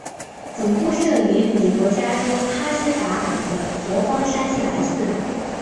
总部设于美国加州哈仙达岗的佛光山西来寺。